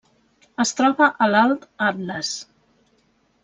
Es troba a l'Alt Atles.